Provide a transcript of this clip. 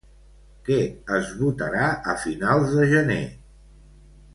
Què es votarà a finals de gener?